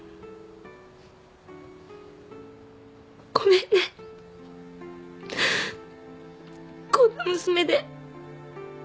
ごめんねこんな娘で。